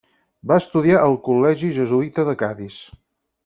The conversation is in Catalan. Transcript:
Va estudiar al Col·legi Jesuïta de Cadis.